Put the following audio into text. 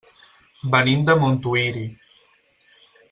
Venim de Montuïri.